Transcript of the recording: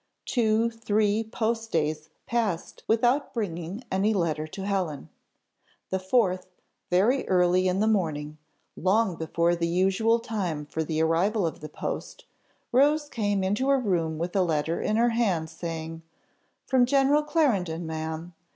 Two, three post days passed without bringing any letter to Helen. The fourth, very early in the morning, long before the usual time for the arrival of the post, Rose came into her room with a letter in her hand, saying, "From General Clarendon, ma'am.